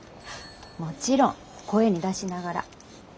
もちろん声に出しながら。